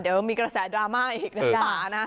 เดี๋ยวมีกระแสดราม่าอีกนะจ๊ะ